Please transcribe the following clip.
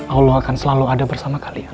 allah akan selalu ada bersama kalian